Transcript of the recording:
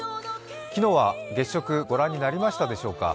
昨日は月食、ご覧になりましたでしょうか。